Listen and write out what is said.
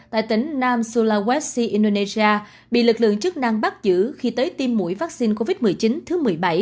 tại tỉnh nam sulawesti indonesia bị lực lượng chức năng bắt giữ khi tới tiêm mũi vaccine covid một mươi chín thứ một mươi bảy